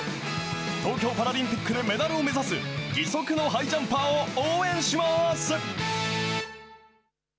東京パラリンピックでメダルを目指す、義足のハイジャンパーを応